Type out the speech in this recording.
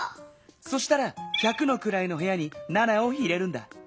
そしたら百のくらいのへやに７を入れるんだ。